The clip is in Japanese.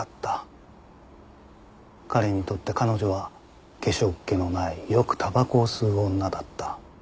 「“彼”にとって“彼女”は化粧っ気のないよくたばこを吸う女だった」。